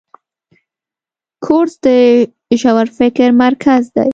کورس د ژور فکر مرکز دی.